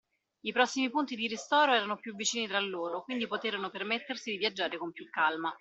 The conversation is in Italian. I prossimi punti di ristoro erano più vicini tra loro, quindi poterono permettersi di viaggiare con più calma.